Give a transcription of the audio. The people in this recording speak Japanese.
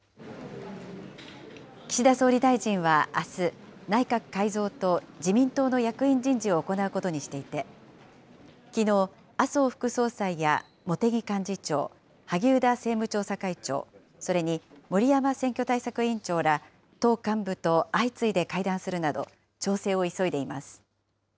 岸田総理大臣はあす、内閣改造と自民党の役員人事を行うことにしていて、きのう、麻生副総裁や茂木幹事長、萩生田政務調査会長、それに森山選挙対策委員長ら、党幹部と相次いで会談するなど、調整を急いでいます。